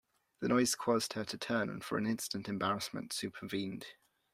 The noise caused her to turn, and for an instant embarrassment supervened.